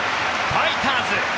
ファイターズ侍